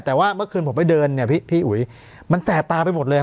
แต่ว่าเมื่อคืนผมไปเดินเนี่ยพี่อุ๋ยมันแสบตาไปหมดเลย